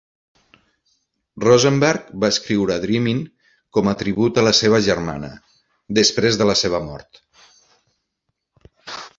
Rosenberg va escriure "Dreamin" com a tribut a la seva germana, després de la seva mort.